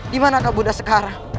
dimana kak bunda sekarang